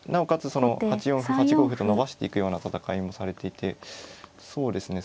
その８四歩８五歩と伸ばしていくような戦いもされていてそうですね